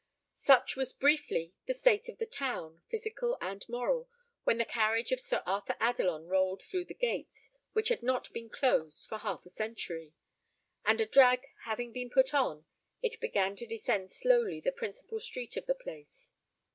Such was briefly the state of the town, physical and moral, when the carriage of Sir Arthur Adelon rolled through the gates, which had not been closed for half a century; and a drag having been put on, it began to descend slowly the principal street of the place.